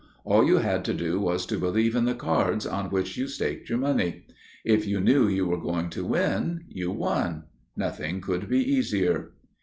All you had to do was to believe in the cards on which you staked your money. If you knew you were going to win, you won. Nothing could be easier.